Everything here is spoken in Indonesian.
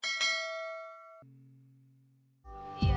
cik nelan pak haji ustaz sian